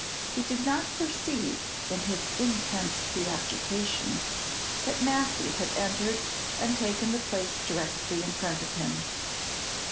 He did not perceive, in his intense preoccupation, that Massy had entered and taken the place directly in front of him.